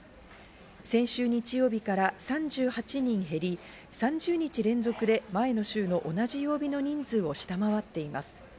先週日曜日から３８人減り、３０日連続で前の週の同じ曜日の人数を下回っています。